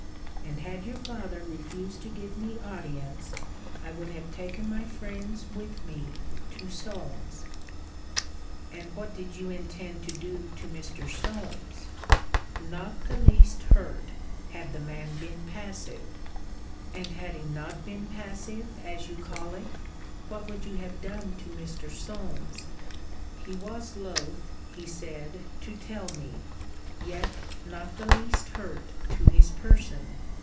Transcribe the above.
And had your father refused to give me audience, I would have taken my friends with me to Solmes. And what did you intend to do to Mr. Solmes? Not the least hurt, had the man been passive. But had he not been passive, as you call it, what would you have done to Mr. Solmes? He was loth, he said to tell me yet not the least hurt to his person.